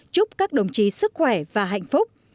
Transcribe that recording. chúc các đồng chí sức khỏe và hạnh phúc